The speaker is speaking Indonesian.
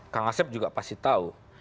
kak ngasib juga pasti tahu